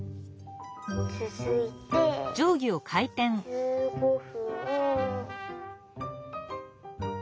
つづいて１５分。